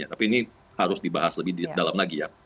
tapi ini harus dibahas lebih dalam lagi ya